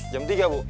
jam tiga bu